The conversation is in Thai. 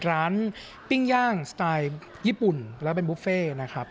ปิ้งย่างสไตล์ญี่ปุ่นแล้วเป็นบุฟเฟ่นะครับ